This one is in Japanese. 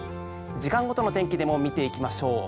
時間ごとの天気でも見ていきましょう。